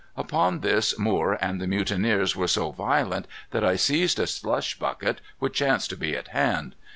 "Upon this Moore and the mutineers were so violent that I seized a slush bucket, which chanced to be at hand.